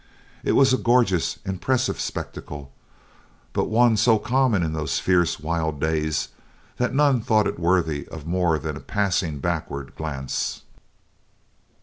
It was a gorgeous, impressive spectacle, but one so common in those fierce, wild days, that none thought it worthy of more than a passing backward glance.